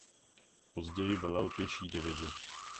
Později velel pěší divizi.